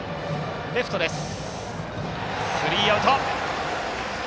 スリーアウト。